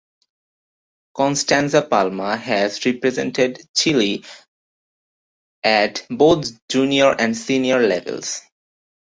Constanza Palma has represented Chile at both junior and senior levels.